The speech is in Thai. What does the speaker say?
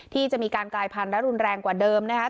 ที่จะมีการกลายพันธุ์และรุนแรงกว่าเดิมนะคะ